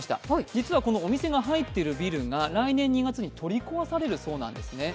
実はこのお店が入っているビルが来年２月に取り壊されるそうなんですね。